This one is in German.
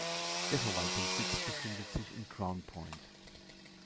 Der Verwaltungssitz befindet sich in Crown Point.